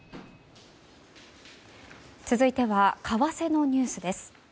続いては為替のニュースです。